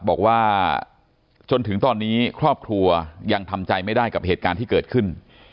บอกว่าจนถึงตอนนี้ครอบครัวยังทำใจไม่ได้กับเหตุการณ์ที่เกิดขึ้น